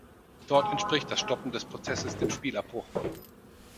Dort entspricht das Stoppen des Prozesses dem Spielabbruch.